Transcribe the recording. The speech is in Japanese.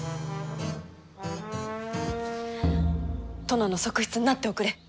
殿の側室になっておくれ。